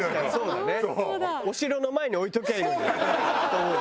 お城の前に置いておきゃいいのにと思うね。